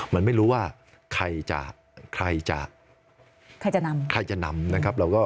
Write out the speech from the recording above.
ไม่รู้ว่าใครจะนำ